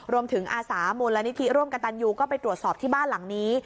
อาสามูลนิธิร่วมกับตันยูก็ไปตรวจสอบที่บ้านหลังนี้